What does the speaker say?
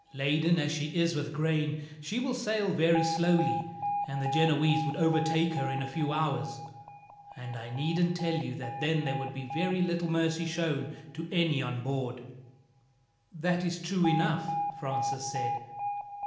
Laden as she is with grain, she will sail very slowly, and the Genoese would overtake her in a few hours; and I needn't tell you that then there would be very little mercy shown to any on board." "That is true enough," Francis said.